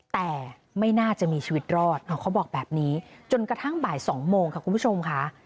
แต่ไม่น่าจะมีชีวิตรอดเขาบอกแบบนี้จนกระทั่งบ่าย๒โมงค่ะคุณผู้ชมค่ะ